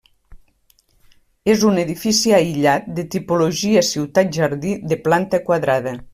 És un edifici aïllat de tipologia ciutat-jardí, de planta quadrada.